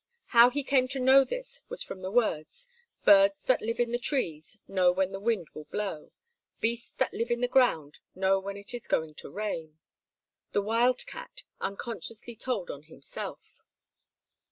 How he came to know this was from the words, "Birds that live in the trees know when the wind will blow; beasts that live in the ground know when it is going to rain." The wild cat unconsciously told on himself.